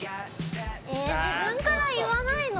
えっ自分から言わないの？